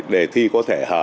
đề thi có thể hở